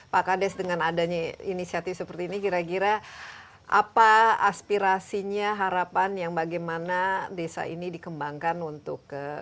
pak kades dengan adanya inisiatif seperti ini kira kira apa aspirasinya harapan yang bagaimana desa ini dikembangkan untuk